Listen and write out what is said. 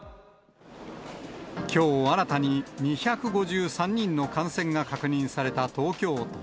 きょう新たに２５３人の感染が確認された東京都。